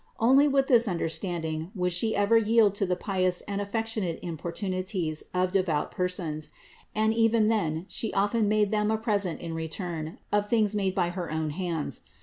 Only with this understanding would She ever yield to the pious and affectionate importunities of devout persons; and even then She often made them a present in return of things made by her own hands.